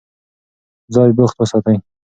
ځان بوخت وساتئ.